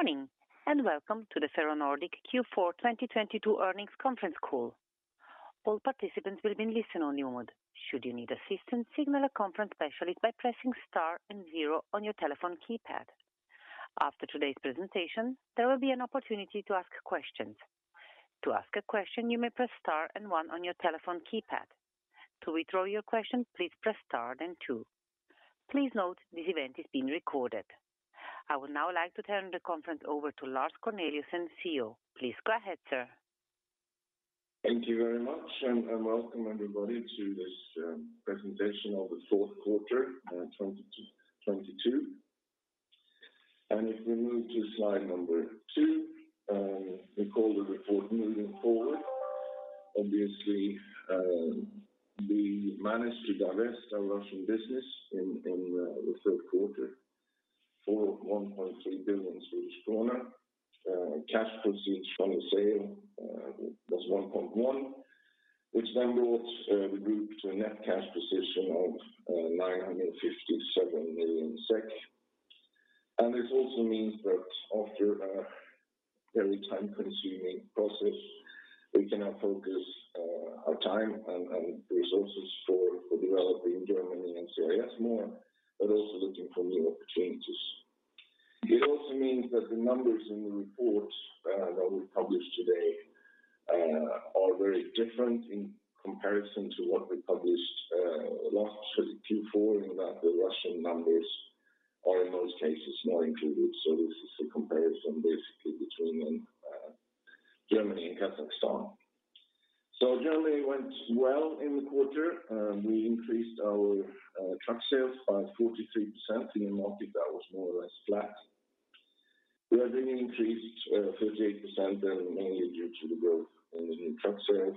Good morning, and welcome to the Ferronordic Q4 2022 earnings conference call. All participants will be in listen-only mode. Should you need assistance, signal a conference specialist by pressing star and zero on your telephone keypad. After today's presentation, there will be an opportunity to ask questions. To ask a question, you may press star and one on your telephone keypad. To withdraw your question, please press star then two. Please note this event is being recorded. I would now like to turn the conference over to Lars Corneliusson, CEO. Please go ahead, sir. Thank you very much, welcome everybody to this presentation of the fourth quarter 2022. If we move to slide number two, we call the report Moving Forward. Obviously, we managed to divest our Russian business in the third quarter for 1.3 billion Swedish krona. Cash proceeds from the sale was 1.1, which then brought the group to a net cash position of 957 million SEK. This also means that after a very time-consuming process, we can now focus our time and resources for developing Germany and CIS more, but also looking for new opportunities. It also means that the numbers in the report, that we published today, are very different in comparison to what we published, last Q4 in that the Russian numbers are in most cases not included. This is a comparison basically between Germany and Kazakhstan. Germany went well in the quarter. We increased our truck sales by 43%. In the market that was more or less flat. Revenue increased 38%, mainly due to the growth in the new truck sales.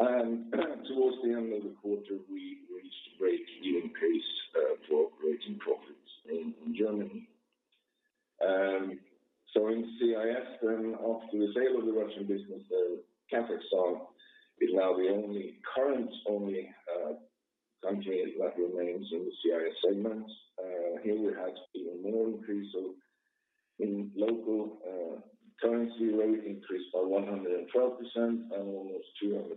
Towards the end of the quarter, we reached breakeven pace for operating profits in Germany. In CIS then after the sale of the Russian business, Kazakhstan is now the only current country that remains in the CIS segment. Here we had even more increase of... In local currency rate increased by 112% and almost 200%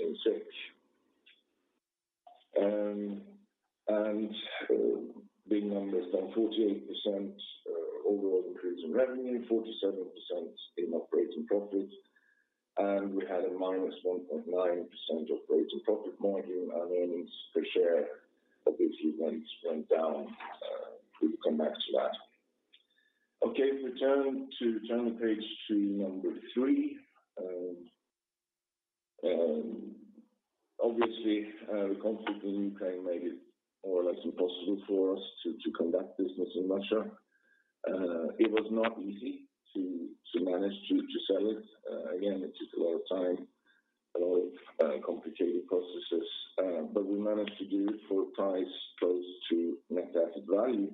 in SEK. Big numbers down 48% overall increase in revenue, 47% in operating profit, and we had a -1.9% operating profit margin and earnings per share obviously went down. We'll come back to that. Okay, if we turn the page to number three. obviously, the conflict in Ukraine made it more or less impossible for us to conduct business in Russia. It was not easy to manage to sell it. again, it took a lot of time and a lot of complicated processes, but we managed to do it for a price close to net asset value,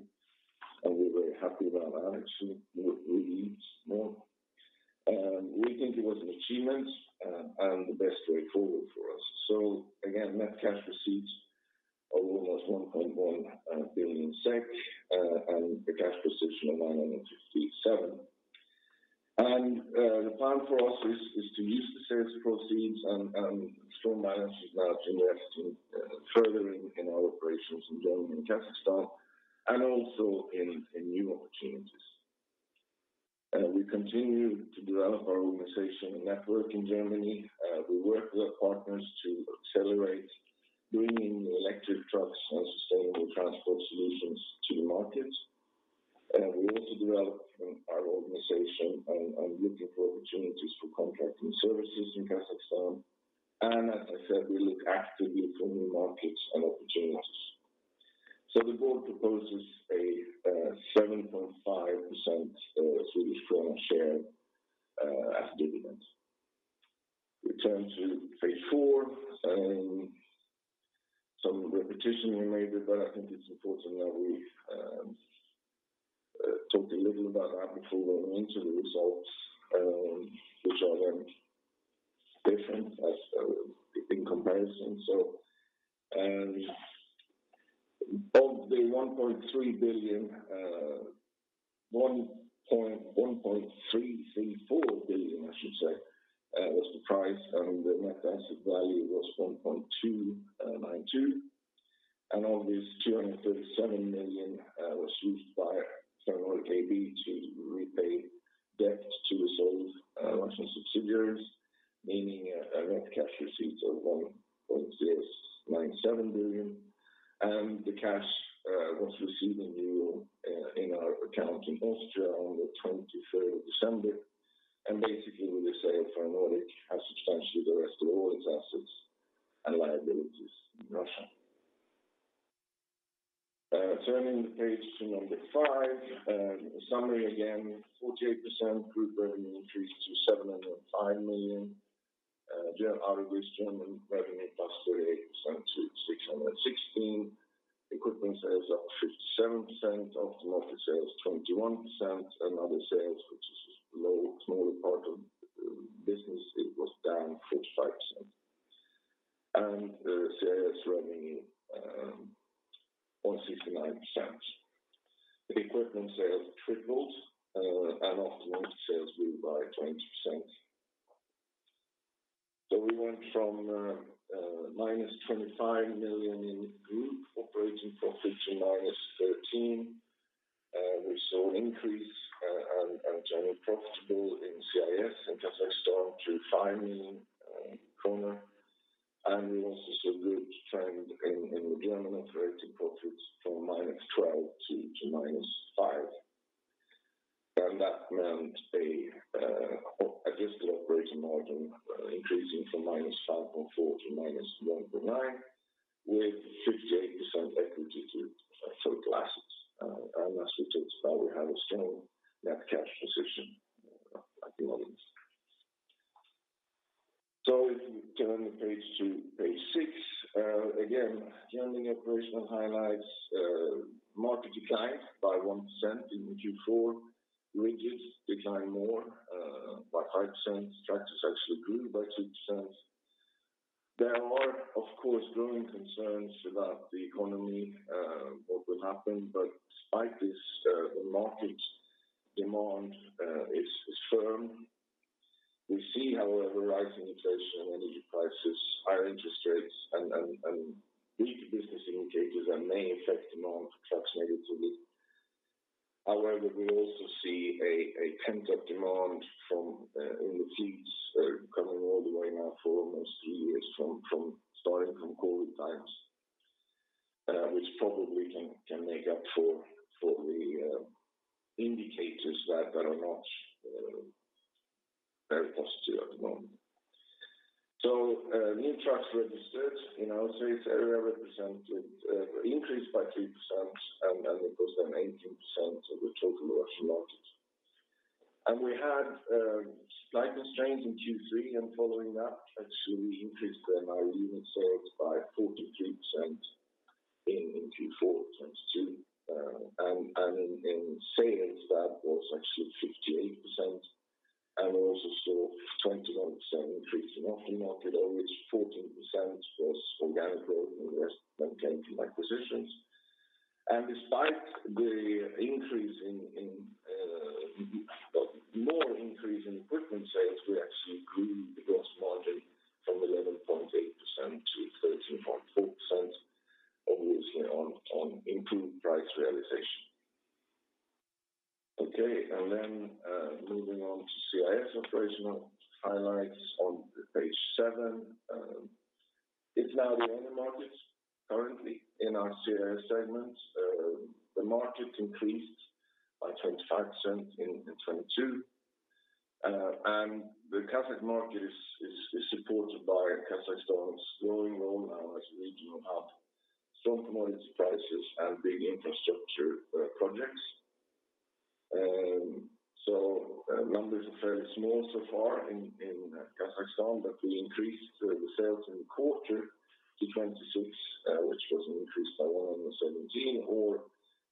and we're very happy about that. Actually, we need more. We think it was an achievement and the best way forward for us. Again, net cash receipts of almost 1.1 billion SEK and a cash position of 957. The plan for us is to use the sales proceeds and strong management now to invest in furthering in our operations in Germany and Kazakhstan and also in new opportunities. We continue to develop our organization and network in Germany. We work with our partners to accelerate bringing electric trucks and sustainable transport solutions to the market. We also develop our organization and are looking for opportunities for contracting services in Kazakhstan. As I said, we look actively for new markets and opportunities. The board proposes a 7.5% Swedish krona share as dividends. We turn to page four. Some repetition we made it, but I think it's important that we talk a little about that before going into the results, which are then different as in comparison. Both the 1.3 billion, 1.334 billion, I should say, was the price, and the net asset value was 1.292 billion. Of this, 237 million was used by Ferronordic AB to repay debt to resolve Russian subsidiaries, meaning a net cash receipt of 1.097 billion. The cash was received in EUR in our account in Austria on the 23rd of December. Basically, with the sale, Ferronordic has substantially divested all its assets and liabilities in Russia. Turning the page to number five. A summary again, 48% group revenue increased to 705 million. Out of this German revenue +38% to 616 million. Equipment sales up 57%. Automotive sales 21% and other sales. The CIS revenue was 69%. The equipment sales tripled, and aftermarket sales grew by 20%. We went from -25 million in group operating profit to -13 million. We saw increase, and turning profitable in CIS and Kazakhstan [revenue] corner. We also saw good trend in German operating profits from -12 million to -5 million. That meant an adjusted operating margin increasing from -5.4% to -1.9% with 58% equity to assets. As we took, now we have a strong net cash position at the moment. If you turn the page to page six, again, turning operational highlights, market declined by 1% in Q4. Ranges declined more, by 5%. Tractors actually grew by 6%. There are, of course, growing concerns about the economy, what will happen, but despite this, the market demand, is firm. We see, however, rising inflation and energy prices, higher interest rates, and weak business indicators that may affect demand for trucks negatively. However, we also see a pent-up demand from, in the fleets, coming all the way now for almost three years from starting from COVID times, which probably can make up for the, indicators that are not, very positive at the moment. New trucks registered in our sales area represented increased by 3% and it was then 18% of the total Russian market. We had slight constraints in Q3, and following that actually increased the marine sales by 43% in Q4 2022. And in sales that was actually 58%. We also saw 21% increase in aftermarket, of which 14% was organic growth, and the rest then came from acquisitions. Despite the increase in, well, more increase in equipment sales, we actually grew the gross margin from 11.8% to 13.4%, obviously on improved price realization. Moving on to CIS operational highlights on page seven. It's now the only market currently in our CIS segment. The market increased by 25% in 2022. The Kazakhstan market is supported by Kazakhstan's growing role now as a regional hub, strong commodity prices and big infrastructure projects. Numbers are fairly small so far in Kazakhstan, but we increased the sales in the quarter to 26, which was an increase by 117 or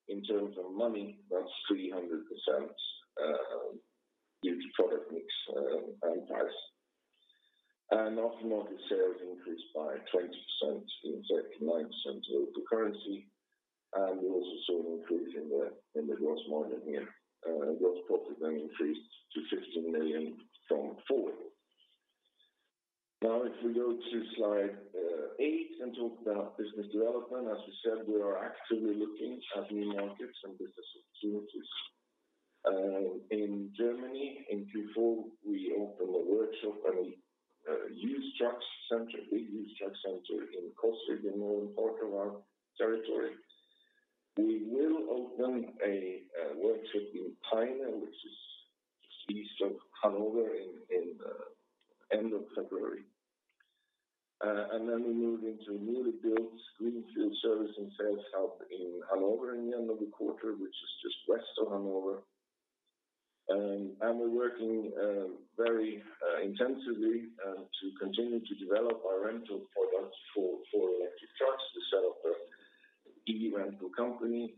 in terms of money, that's 300%, due to product mix and price. Aftermarket sales increased by 20% in Kazakhstan, 9% local currency, and we also saw an increase in the gross margin here. Gross profit increased to 15 million from SEK 4 million. If we go to slide eight and talk about business development, as we said, we are actively looking at new markets and business opportunities. In Germany in Q4, we opened a workshop and a used trucks center, big used trucks center in Kostrzyn, northern part of our territory. We will open a workshop in Peine, which is east of Hanover in the end of February. We moved into a newly built greenfield service and sales hub in Hanover in the end of the quarter, which is just west of Hanover. We're working very intensively to continue to develop our rental products for electric trucks to set up the EV rental company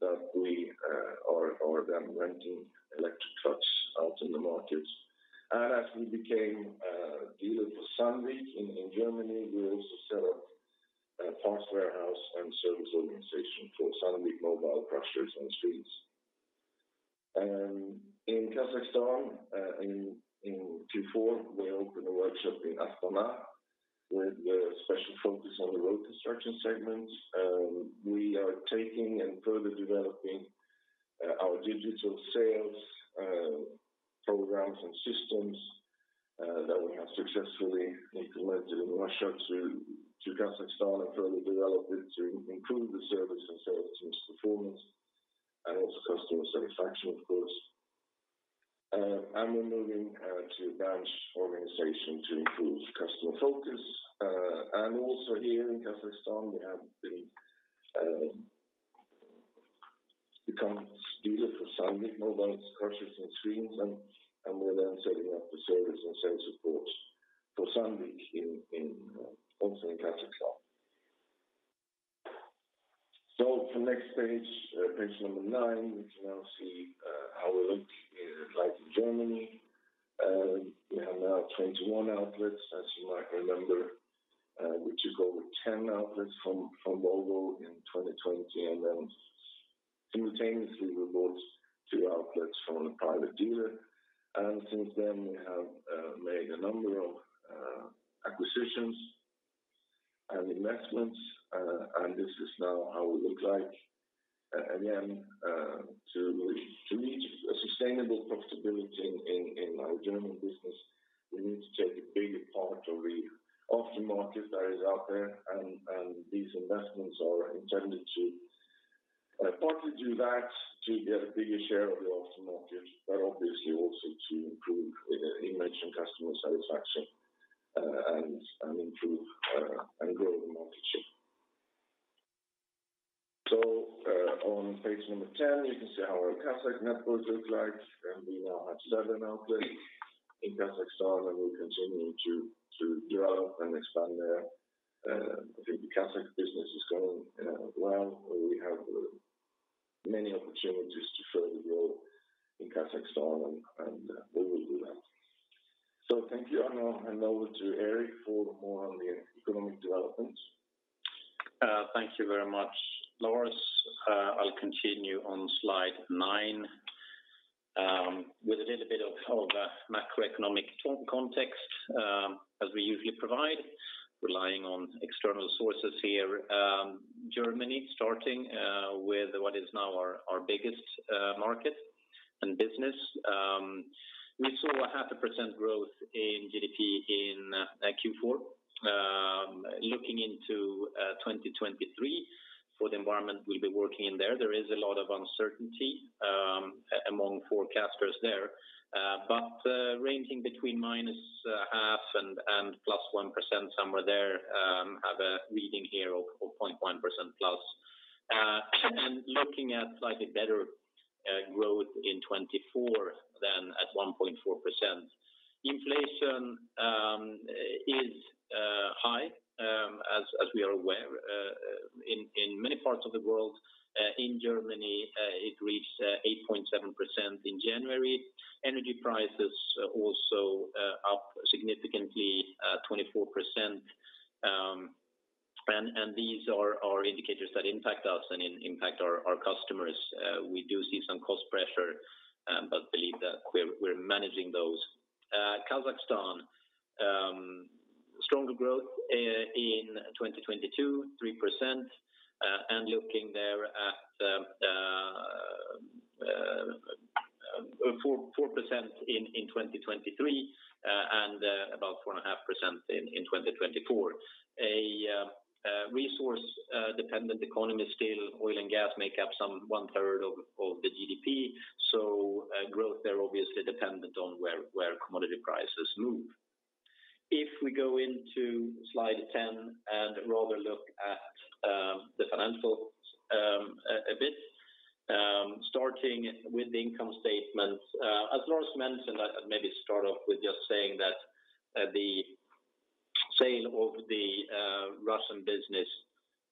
that we are then renting electric trucks out in the market. As we became a dealer for Sandvik in Germany, we also set up a parts warehouse and service organization for Sandvik mobile crushers and screens. In Kazakhstan, in Q4, we opened a workshop in Astana with a special focus on the road construction segment. We are taking and further developing our digital sales programs and systems that we have successfully implemented in Russia to Kazakhstan and further develop it to improve the service and sales team's performance and also customer satisfaction, of course. We're moving to branch organization to improve customer focus. Also here in Kazakhstan, we have been become dealer for Sandvik mobile crushers and screens, and we're then setting up the service and sales support for Sandvik also in Kazakhstan. Next page number nine, we can now see how we look in Germany. We have now 21 outlets, as you might remember, which is over 10 outlets from Volvo in 2020. Simultaneously we bought two outlets from a private dealer. Since then we have made a number of acquisitions and investments. This is now how we look like. To reach a sustainable profitability in our German business, we need to take a bigger part of the aftermarket that is out there. These investments are intended to partly do that, to get a bigger share of the aftermarket, but obviously also to improve image and customer satisfaction, and improve and grow the market share. On page number 10, you can see how our Kazakhstan network looks like, and we now have seven outlets in Kazakhstan, and we're continuing to grow and expand there. I think the Kazakhstan business is going well. We have many opportunities to further grow in Kazakhstan and we will do that. Thank you. I'll hand over to Erik for more on the economic developments. Thank you very much, Lars. I'll continue on slide nine with a little bit of macroeconomic context, as we usually provide, relying on external sources here. Germany, starting with what is now our biggest market and business. We saw a 0.5% growth in GDP in Q4. Looking into 2023 for the environment we'll be working in there is a lot of uncertainty among forecasters there. Ranging between -0.5% and +1%, somewhere there, have a reading here of 0.1%+. Looking at slightly better growth in 2024 than at 1.4%. Inflation is high as we are aware in many parts of the world. In Germany, it reached 8.7% in January. Energy prices also up significantly, 24%. These are indicators that impact us and impact our customers. We do see some cost pressure, believe that we're managing those. Kazakhstan saw stronger growth in 2022, 3%. Looking there at 4% in 2023, and about 4.5% in 2024. A resource-dependent economy still, oil and gas make up some 1/3 of the GDP. Growth there obviously dependent on where commodity prices move. If we go into slide 10 and rather look at the financial a bit, starting with the income statement. As Lars mentioned, I'd maybe start off with just saying that the sale of the Russian business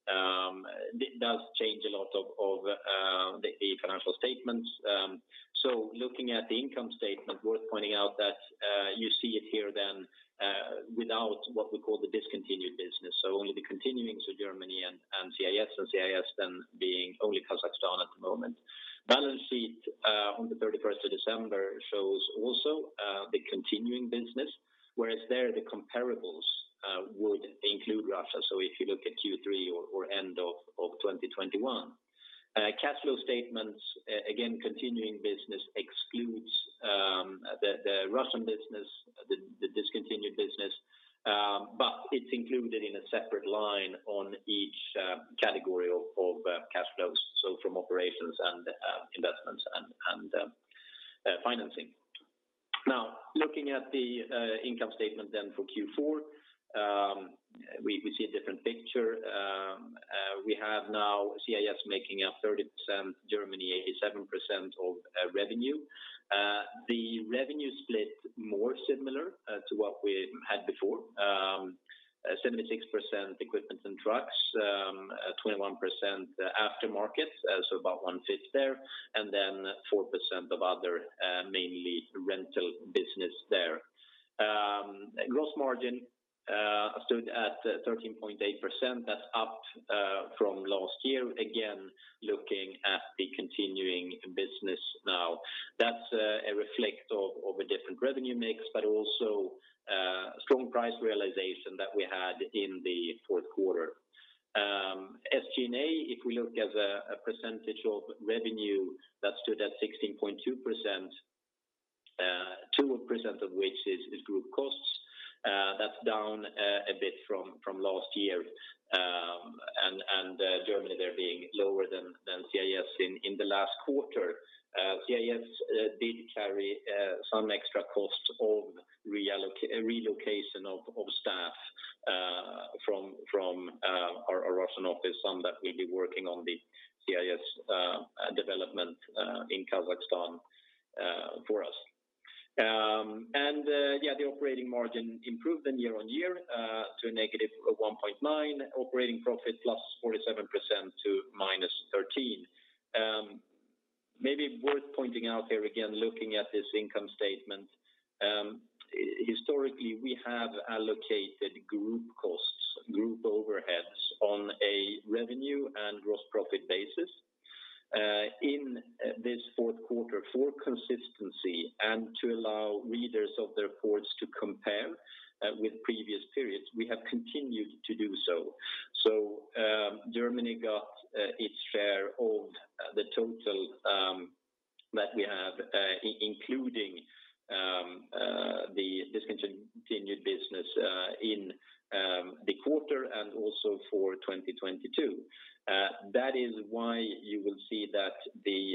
does change a lot of the financial statements. Looking at the income statement, worth pointing out that you see it here then without what we call the discontinued business. Only the continuing, so Germany and CIS, so CIS then being only Kazakhstan at the moment. Balance sheet on the 31st of December shows also the continuing business, whereas there the comparables would include Russia. If you look at Q3 or end of 2021. Cash flow statements again, continuing business excludes the Russian business, the discontinued business, but it's included in a separate line on each category of cash flows. From operations and investments and financing. Looking at the income statement for Q4, we see a different picture. We have now CIS making up 30%, Germany 87% of revenue. The revenue split more similar to what we had before. 76% equipment and trucks, 21% aftermarket, so about one-fifth there, and then 4% of other, mainly rental business there. Gross margin stood at 13.8%. That's up from last year. Again, looking at the continuing business now. That's a reflection of a different revenue mix, but also strong price realization that we had in the fourth quarter. SG&A, if we look as a percentage of revenue, that stood at 16.2%, 2% of which is group costs. That's down a bit from last year, and Germany there being lower than CIS in the last quarter. CIS did carry some extra costs of relocation of staff from our Russian office, some that will be working on the CIS development in Kazakhstan for us. Margin improved then year-over-year to a -1.9% operating profit +47% to -13%. Maybe worth pointing out there again, looking at this income statement, historically, we have allocated group costs, group overheads on a revenue and gross profit basis. In this fourth quarter for consistency and to allow readers of the reports to compare with previous periods, we have continued to do so. Germany got its share of the total that we have including the discontinued business in the quarter and also for 2022. That is why you will see that the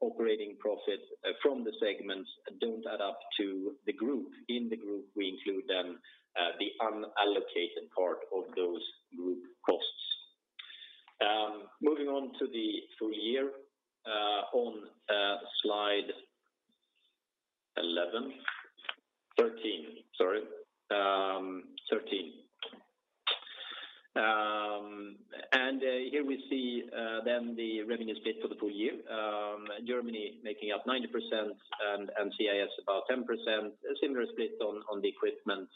operating profit from the segments don't add up to the group. In the group, we include then the unallocated part of those group costs. Moving on to the full year on slide 11. 13, sorry. 13. Here we see then the revenue split for the full year. Germany making up 90% and CIS about 10%. A similar split on the equipment,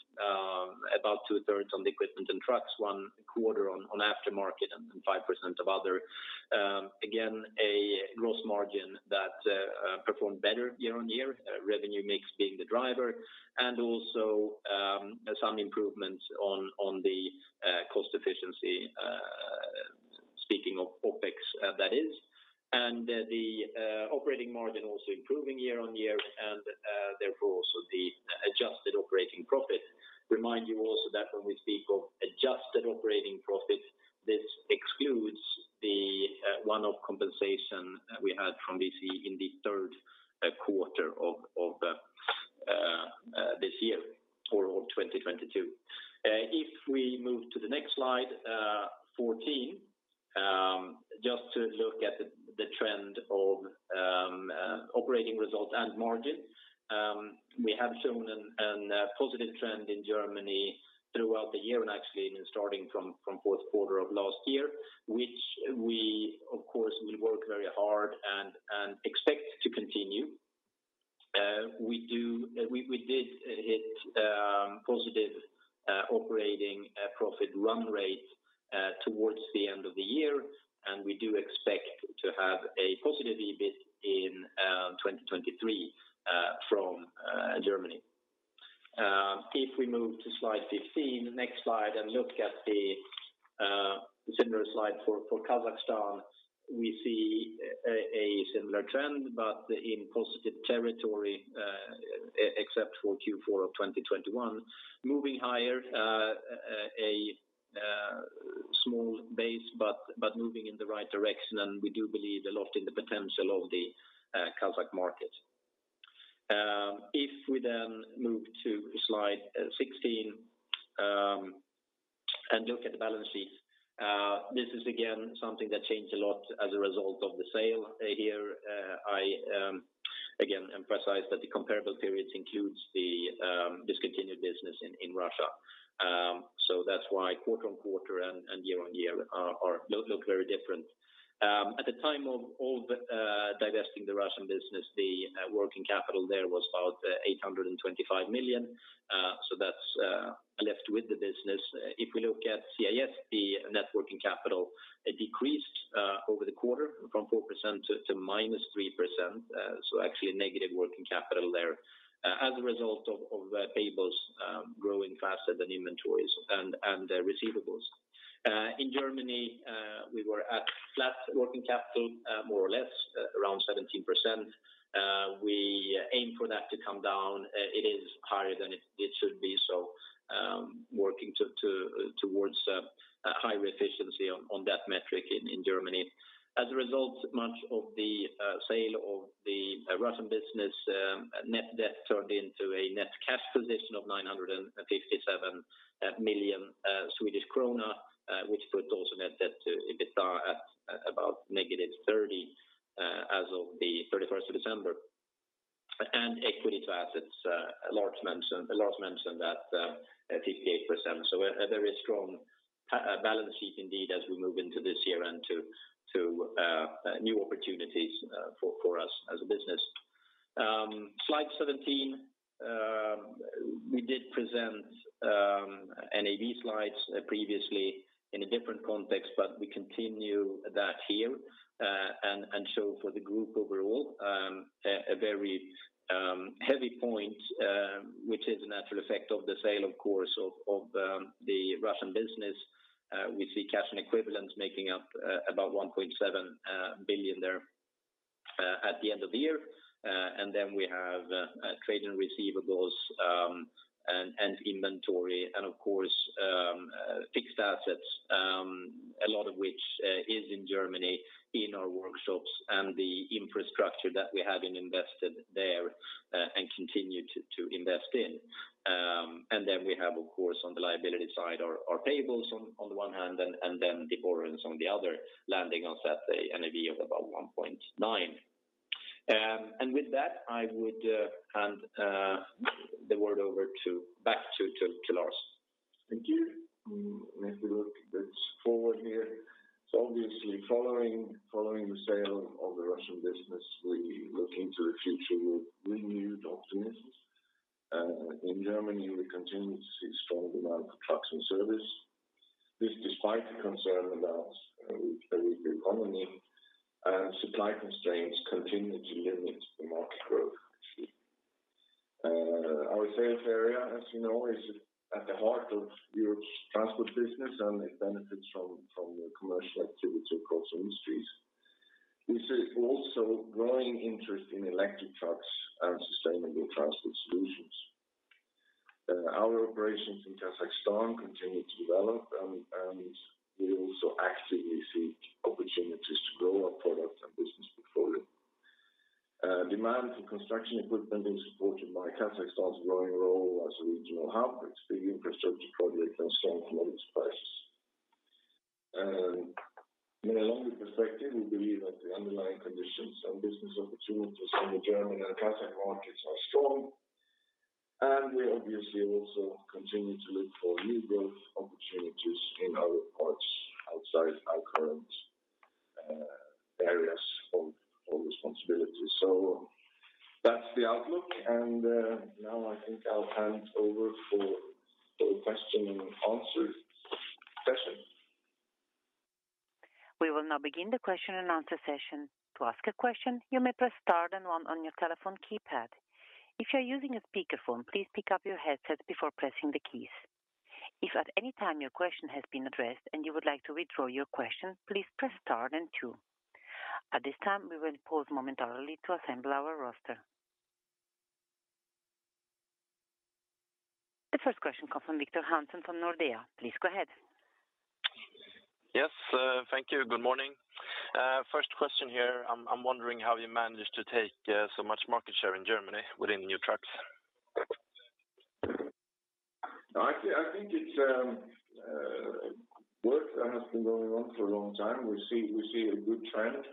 about 2/3 on the equipment and trucks, 1/4 on aftermarket and 5% of other. Again, a gross margin that performed better year-over-year, revenue mix being the driver, and also some improvements on the cost efficiency, speaking of OpEx, that is. The operating margin also improving year-over-year and therefore, also the adjusted operating profit. Remind you also that when we speak of adjusted operating profit, this excludes the one-off compensation we had from [CE] in the third quarter of this year or of 2022. If we move to the next slide, 14, just to look at the trend of operating results and margin. We have shown an positive trend in Germany throughout the year and actually starting from fourth quarter of last year, which we of course will work very hard and expect to continue. We did hit positive operating profit run rate towards the end of the year, and we do expect to have a positive EBIT in 2023 from Germany. If we move to slide 15, next slide, and look at the similar slide for Kazakhstan, we see a similar trend, but in positive territory, except for Q4 of 2021. Moving higher, a small base, but moving in the right direction, and we do believe a lot in the potential of the Kazakh market. If we move to slide 16 and look at the balance sheet, this is again something that changed a lot as a result of the sale here. I again emphasize that the comparable periods includes the discontinued business in Russia. That's why quarter-on-quarter and year-on-year look very different. At the time of divesting the Russian business, the working capital there was about 825 million. That's left with the business. If we look at CIS, the net working capital decreased over the quarter from 4% to -3%, actually negative working capital there as a result of payables growing faster than inventories and receivables. In Germany, we were at flat working capital, more or less, around 17%. We aim for that to come down. It is higher than it should be, so working towards higher efficiency on that metric in Germany. As a result, much of the sale of the Russian business, net debt turned into a net cash position of 957 million Swedish krona, which put also net debt to EBITDA at about -30 as of the 31st of December. Equity to assets, Lars mentioned that, at 58%. A very strong balance sheet indeed as we move into this year and to new opportunities for us as a business. Slide 17, we did present NAV slides previously in a different context, but we continue that here. For the group overall, a very heavy point, which is a natural effect of the sale, of course, of the Russian business. We see cash and equivalents making up about 1.7 billion there at the end of the year. We have trade and receivables, and inventory, and of course, fixed assets, a lot of which is in Germany in our workshops and the infrastructure that we have invested there and continue to invest in. Then we have, of course, on the liability side our payables on the one hand and then the borrowings on the other, landing us at a NAV of about 1.9 billion. With that, I would hand the word over back to Lars. Thank you. Let me look this forward here. Obviously, following the sale of the Russian business, we look into the future with renewed optimism. In Germany, we continue to see strong demand for trucks and service. This despite the concern about the economy and supply constraints continue to limit the market growth actually. Our sales area, as you know, is at the heart of Europe's transport business, and it benefits from the commercial activity across industries. We see also growing interest in electric trucks and sustainable transport solutions. Our operations in Kazakhstan continue to develop, and we also actively seek opportunities to grow our product and business portfolio. Demand for construction equipment being supported by Kazakhstan's growing role as a regional hub, its big infrastructure projects, and strong commodity prices. In a longer perspective, we believe that the underlying conditions and business opportunities in the German and Kazakhstan markets are strong. We obviously also continue to look for new growth opportunities in other parts outside our current areas of responsibility. That's the outlook. Now I think I'll hand over for the question and answer session. We will now begin the question and answer session. To ask a question, you may press star then 1 on your telephone keypad. If you're using a speakerphone, please pick up your headset before pressing the keys. If at any time your question has been addressed and you would like to withdraw your question, please press star then 2. At this time, we will pause momentarily to assemble our roster. The first question come from Viktor Hansson from Nordea. Please go ahead. Thank you. Good morning. First question here. I'm wondering how you managed to take so much market share in Germany within new trucks. I think it's work that has been going on for a long time. We see a good trend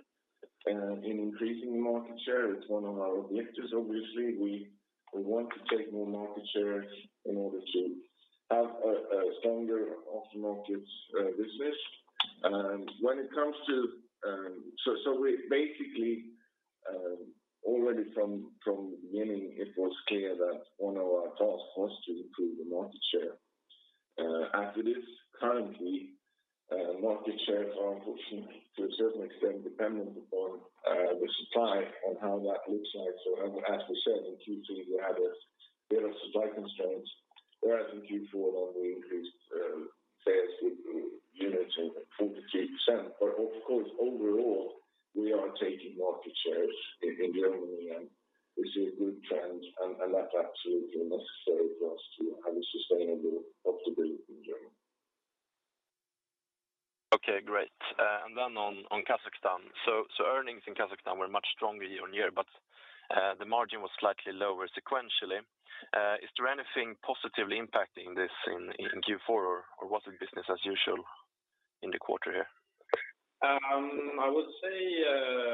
in increasing the market share. It's one of our objectives obviously. We want to take more market share in order to have a stronger aftermarket business. When it comes to... We basically, already from the beginning, it was clear that one of our tasks was to improve the market share. As it is currently, market shares are unfortunately to a certain extent dependent upon the supply and how that looks like. As we said, in Q2, we had a bit of supply constraints, whereas in Q4, when we increased sales units and 43%. Of course, overall, we are taking market shares in Germany, and we see a good trend, and that's absolutely necessary for us to have a sustainable profitability in Germany. Okay, great. On Kazakhstan. Earnings in Kazakhstan were much stronger year-on-year, the margin was slightly lower sequentially. Is there anything positively impacting this in Q4? Was it business as usual in the quarter here? I would say,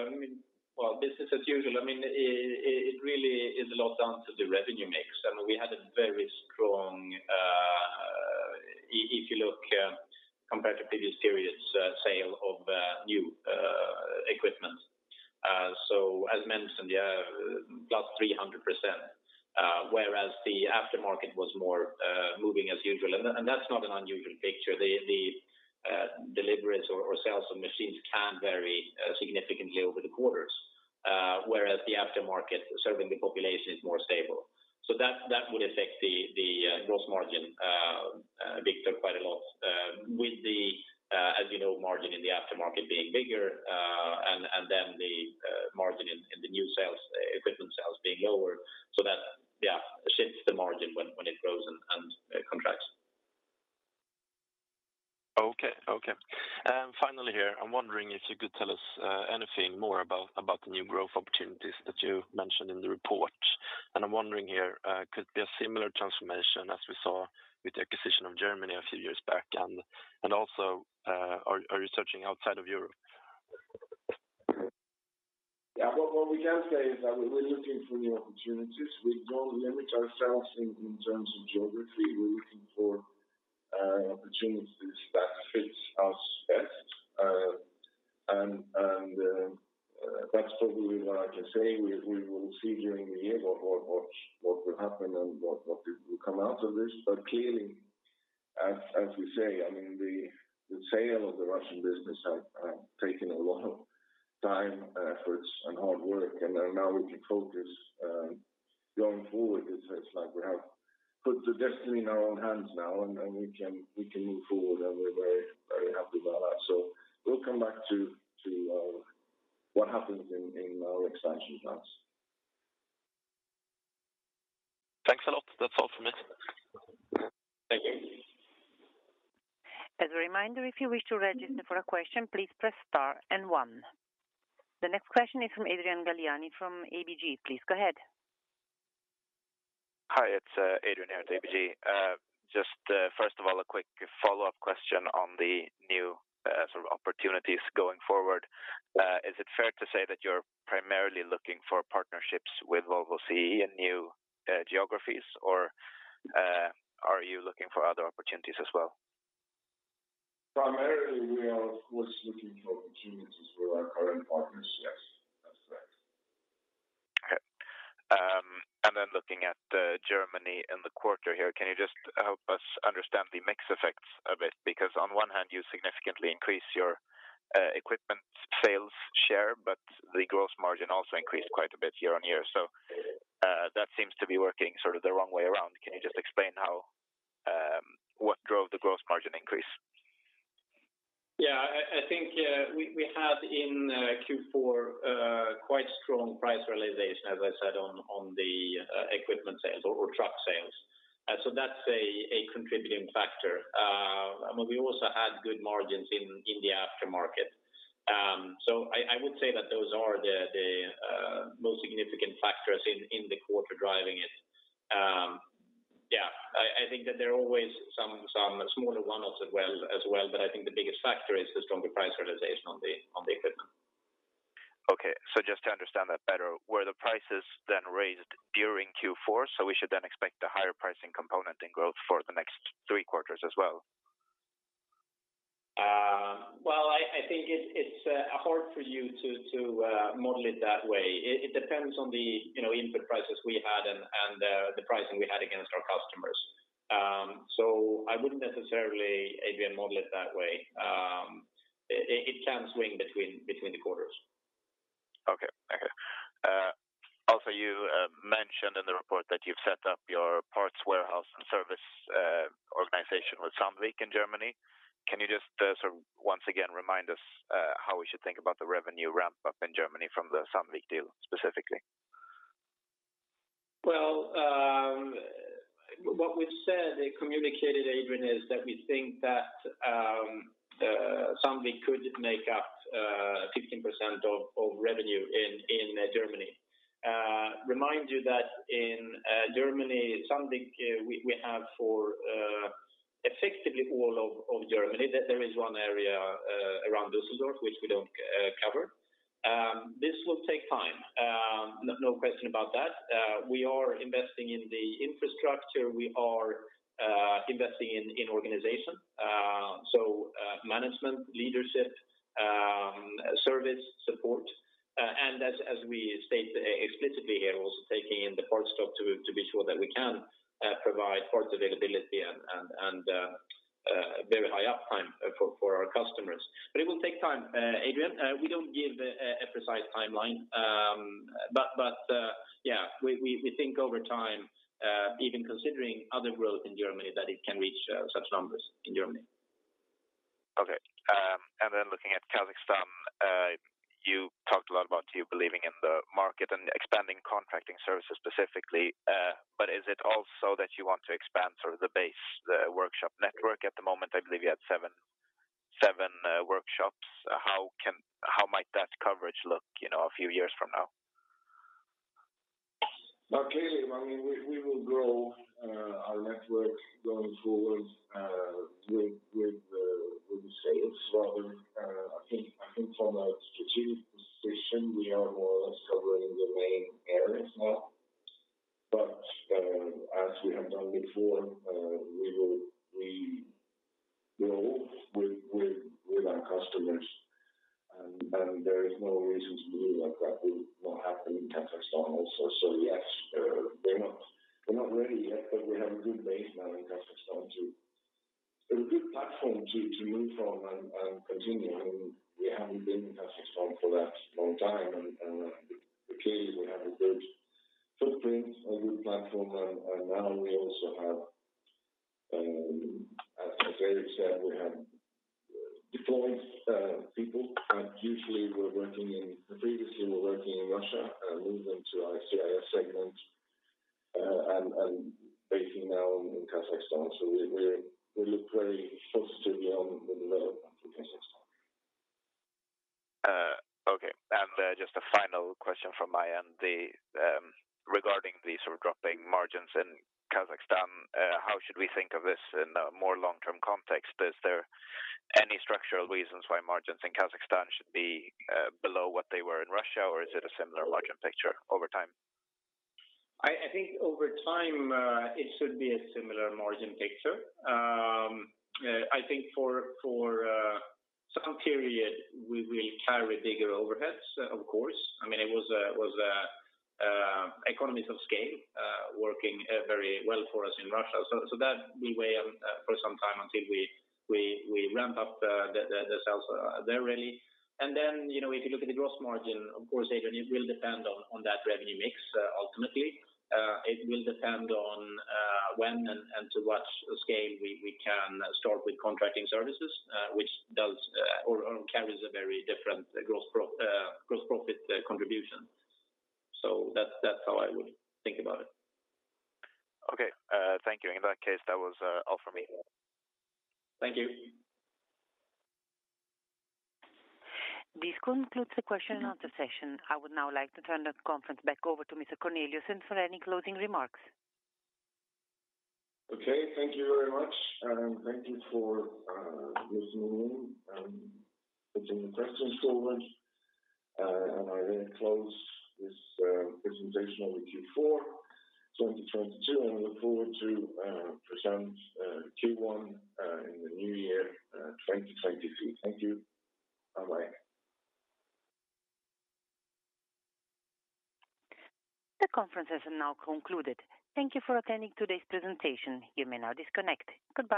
I mean, well, business as usual, I mean, it really is a lot down to the revenue mix, and we had a very strong, if you look, compared to previous periods, sale of new equipment. So as mentioned, yeah, plus 300%, whereas the aftermarket was more moving as usual. That's not an unusual picture. The deliverance or sales of machines can vary significantly over the quarters, whereas the aftermarket serving the population is more stable. That would affect the gross margin, Viktor, quite a lot, with the, as you know, margin in the aftermarket being bigger, and then the margin in the new sales, equipment sales being lower. That, yeah, shifts the margin when it grows and contracts. Okay. Okay. Finally here, I'm wondering if you could tell us anything more about the new growth opportunities that you mentioned in the report. I'm wondering here, could there be a similar transformation as we saw with the acquisition of Germany a few years back? Also, are you searching outside of Europe? Yeah. What we can say is that we're looking for new opportunities. We don't limit ourselves in terms of geography. We're looking for opportunities that fits us best. That's probably what I can say. We will see during the year what will happen and what will come out of this. Clearly, as we say, I mean, the sale of the Russian business have taken a lot of time, efforts, and hard work, and now we can focus going forward. It's like we have put the destiny in our own hands now, and we can move forward, and we're very, very happy about that. We'll come back to what happens in our expansion plans. Thanks a lot. That's all from me. Thank you. As a reminder, if you wish to register for a question, please press star and one. The next question is from Adrian Gilani from ABG. Please go ahead. Hi, it's Adrian here at ABG. Just first of all, a quick follow-up question on the new sort of opportunities going forward. Is it fair to say that you're primarily looking for partnerships with Volvo CE in new geographies? Are you looking for other opportunities as well? Primarily, we are of course looking for opportunities with our current partners, yes. That's correct. Okay. Looking at Germany and the quarter here, can you just help us understand the mix effects of it? On one hand you significantly increase your equipment sales share, but the gross margin also increased quite a bit year on year. That seems to be working sort of the wrong way around. Can you just explain how... What drove the gross margin increase? Yeah. I think we had in Q4 quite strong price realization, as I said, on the equipment sales or truck sales. That's a contributing factor. We also had good margins in the aftermarket. I would say that those are the most significant factors in the quarter driving it. Yeah, I think that there are always some smaller one-offs as well, but I think the biggest factor is the stronger price realization on the equipment. Just to understand that better, were the prices then raised during Q4, so we should then expect a higher pricing component in growth for the next three quarters as well? Well, I think it's hard for you to model it that way. It depends on the, you know, input prices we had and the pricing we had against our customers. I wouldn't necessarily, Adrian, model it that way. It can swing between the quarters. Okay. Okay. Also you mentioned in the report that you've set up your parts warehouse and service organization with Sandvik in Germany. Can you just sort of once again remind us how we should think about the revenue ramp-up in Germany from the Sandvik deal specifically? What we've said and communicated, Adrian, is that we think that Sandvik could make up 15% of revenue in Germany. Remind you that in Germany, Sandvik, we have for effectively all of Germany. There is one area around Düsseldorf which we don't cover. This will take time. No question about that. We are investing in the infrastructure. We are investing in organization. So, management, leadership, service, support, and as we state explicitly here, also taking in the parts stock to be sure that we can provide parts availability and very high uptime for our customers. It will take time, Adrian. We don't give a precise timeline. Yeah, we think over time, even considering other growth in Germany, that it can reach such numbers in Germany. Okay. Then looking at Kazakhstan, you talked a lot about you believing in the market and expanding contracting services specifically. Is it also that you want to expand sort of the base, the workshop network? At the moment, I believe you had 7 workshops. How might that coverage look, you know, a few years from now? Clearly, I mean, we will grow our network going forward with the sales rather. I think from a strategic position, we are more or less covering the main areas now. As we have done before, we grow with our customers. There is no reason to believe that that will not happen in Kazakhstan also. Yes, they're not ready yet, but we have a good base now in Kazakhstan to be a good platform to move from and continue. I mean, we haven't been in Kazakhstan for that long time and clearly we have a good footprint or good platform and now we also have, as Erik said, we have deployed people that usually were working in... Previously were working in Russia and moving to our CIS segment, and based now in Kazakhstan. We look very positive beyond with Kazakhstan. Okay. Just a final question from my end. Regarding the sort of dropping margins in Kazakhstan, how should we think of this in a more long-term context? Is there any structural reasons why margins in Kazakhstan should be below what they were in Russia? Is it a similar margin picture over time? I think over time, it should be a similar margin picture. I think for some period we will carry bigger overheads, of course. I mean, it was a economies of scale, working very well for us in Russia. That will weigh on for some time until we ramp up the sales there really. Then, you know, if you look at the gross margin, of course, Adrian, it will depend on that revenue mix ultimately. It will depend on when and to what scale we can start with contracting services, which does or carries a very different gross profit contribution. That's how I would think about it. Okay. Thank you. In that case, that was all from me. Thank you. This concludes the question and answer session. I would now like to turn the conference back over to Mr. Corneliusson for any closing remarks. Okay. Thank you very much, and thank you for listening in and putting the questions forward. I then close this presentation over Q4 2022, and I look forward to present Q1 in the new year 2023. Thank you. Bye-bye. The conference has now concluded. Thank you for attending today's presentation. You may now disconnect. Goodbye.